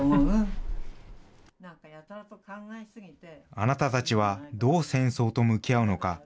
あなたたちはどう戦争と向き合うのか。